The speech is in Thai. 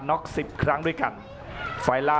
แล้วกลับมาติดตามกันต่อนะครับ